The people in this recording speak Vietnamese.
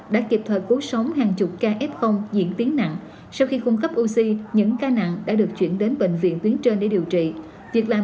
đã vi động lực lượng sẵn có là các tổng chí trong bang bảo vệ dân phố trên địa bàn